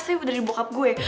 tapi dari bokap gue